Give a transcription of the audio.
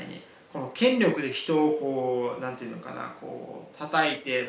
この権力で人をこう何ていうのかなこうたたいて。